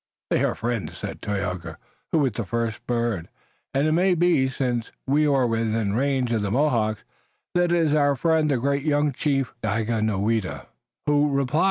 "They are friends," said Tayoga, who was the first bird, "and it may be, since we are within the range of the Mohawks, that it is our friend, the great young chief Daganoweda, who replied.